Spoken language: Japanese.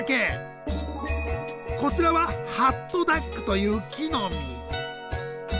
こちらはハットダックという木の実。